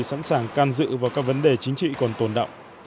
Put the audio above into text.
sẵn sàng can dự vào các vấn đề chính trị còn tồn động